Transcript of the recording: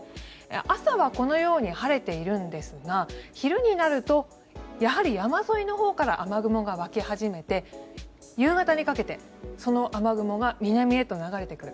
朝はこのように晴れているんですが昼になるとやはり山沿いのほうから雨雲が湧き始めて夕方にかけてその雨雲が南へと流れてくる。